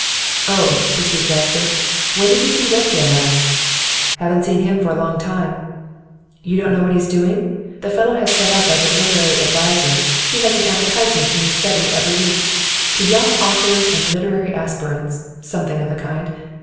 'Oh,' pursued Jasper, 'when did you see Whelpdale last?' 'Haven't seen him for a long time.' 'You don't know what he's doing? The fellow has set up as a "literary adviser." He has an advertisement in The Study every week. "To Young Authors and Literary Aspirants" something of the kind.